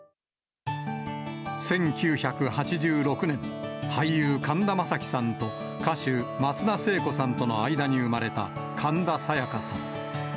１９８６年、俳優、神田正輝さんと、歌手、松田聖子さんとの間に生まれた神田沙也加さん。